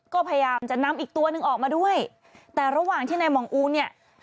ก็พยายามจะนำอีกตัวหนึ่งออกมาด้วยแต่ระหว่างที่นายห่องอูเนี่ย